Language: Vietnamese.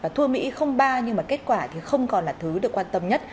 thua mỹ ba nhưng kết quả không còn là thứ được quan tâm nhất